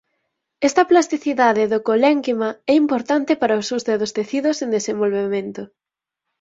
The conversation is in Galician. Esta plasticidade do colénquima é importante para o axuste dos tecidos en desenvolvemento.